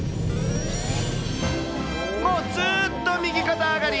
もうずーっと右肩上がり。